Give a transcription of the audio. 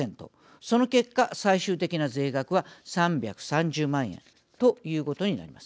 その結果、最終的な税額は３３０万円ということになります。